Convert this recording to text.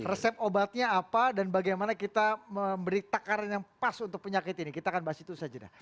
resep obatnya apa dan bagaimana kita memberi takaran yang pas untuk penyakit ini kita akan bahas itu saja